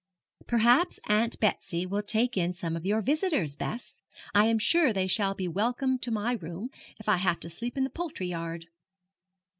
Perhaps Aunt Betsy will take in some of your visitors, Bess. I am sure they shall be welcome to my room, if I have to sleep in the poultry yard.'